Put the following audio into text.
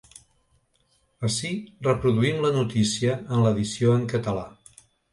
Ací reproduïm la notícia en l’edició en català.